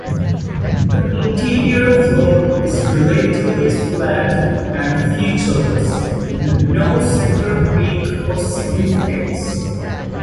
The interior floor is relatively flat and featureless, with no central peak of significance.